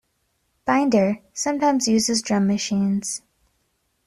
Binder sometimes uses drum machines.